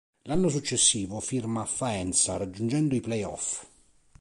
L'anno successivo firma a Faenza raggiungendo i play-off.